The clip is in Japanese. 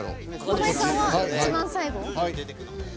濱家さんは一番最後。